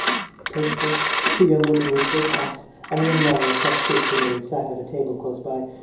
Presently two young women with big hats and a young man in a check suit came in and sat at a table close by.